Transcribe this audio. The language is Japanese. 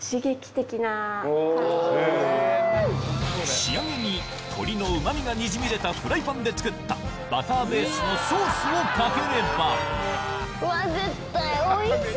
仕上げに鶏のうま味がにじみ出たフライパンで作ったバターベースのソースをかければうわ絶対おいしい。